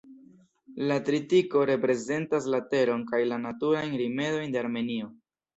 La tritiko reprezentas la teron kaj la naturajn rimedojn de Armenio.